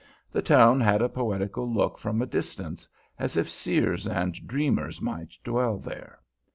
The town had a poetical look from a distance, as if seers and dreamers might dwell there.